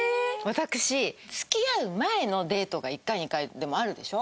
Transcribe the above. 私付き合う前のデートが１回２回でもあるでしょ？